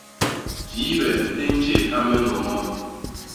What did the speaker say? Jibe li ntjédha me ñgoñoo.